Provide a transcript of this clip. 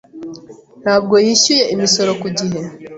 ntabwo yishyuye imisoro ku gihe.